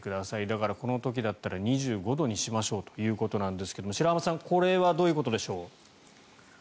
だから、この時だったら２５度にしましょうということですが白濱さんこれはどういうことでしょう。